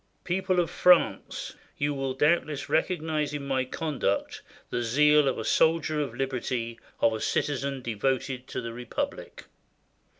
"People of France, you will doubtless recognize in my conduct the zeal of a soldier of liberty, of a citizen devoted to the Republic."